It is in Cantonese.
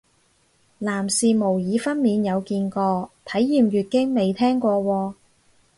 男士模擬分娩有見過，體驗月經未聽過喎